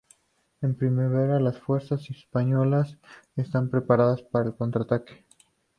En primavera las fuerzas españolas están preparadas para el contraataque.